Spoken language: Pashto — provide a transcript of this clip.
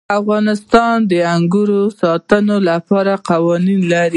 افغانستان د انګورو د ساتنې لپاره قوانین لري.